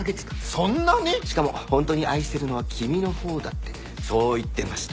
そんなに⁉しかも「ホントに愛してるのは君のほうだ」ってそう言ってました。